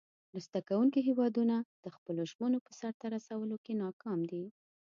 مرسته کوونکې هیوادونه د خپلو ژمنو په سر ته رسولو کې ناکام دي.